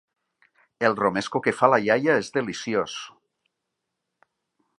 El romesco que fa la iaia és deliciós.